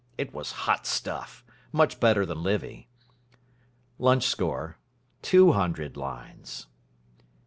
It was Hot Stuff. Much better than Livy.... Lunch Score Two hundred lines.